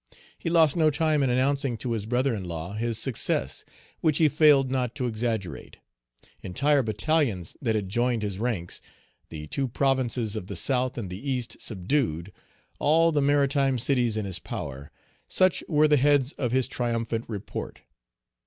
He lost no time in Page 195 announcing to his brother in law his success, which he failed not to exaggerate, entire battalions that had joined his ranks, the two provinces of the South and the East subdued, all the mari time cities in his power, such were the heads of his triumphant report.